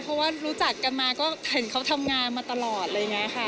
เพราะว่ารู้จักกันมาก็เห็นเขาทำงานมาตลอดอะไรอย่างนี้ค่ะ